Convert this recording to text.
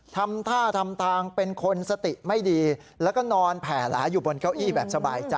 ทำท่าทำทางเป็นคนสติไม่ดีแล้วก็นอนแผ่หลาอยู่บนเก้าอี้แบบสบายใจ